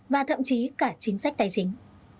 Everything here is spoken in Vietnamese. và thậm chí cả chính sách tài chính